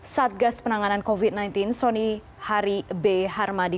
satgas penanganan covid sembilan belas soni hari b harmadi